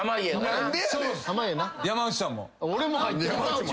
俺も入ってる！？